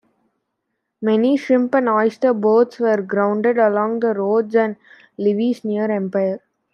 Many shrimp and oyster boats were grounded along the roads and levees near Empire.